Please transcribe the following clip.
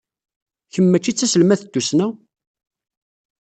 Kemm maci d taselmadt n tussna?